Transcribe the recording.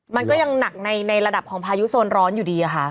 มันก็ยังหนักในระดับของพายุโซนร้อนอยู่ดีค่ะ